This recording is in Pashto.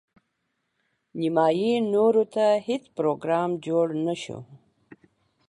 نیمايي نورو ته هیڅ پروګرام جوړ نه شو.